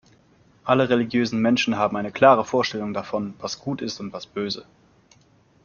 Alle religiösen Menschen haben eine klare Vorstellung davon, was gut ist und was böse.